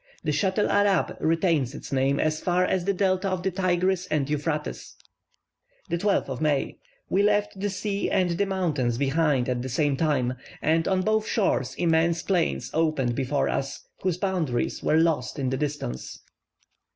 The Schatel Arab retains its name as far as the delta of the Tigris and Euphrates. 12th May. We left the sea and the mountains behind at the same time, and on both shores immense plains opened before us whose boundaries were lost in the distance.